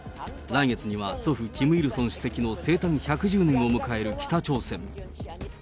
来月には祖父、キム・イルソン主席の生誕１１０年を迎える北朝鮮。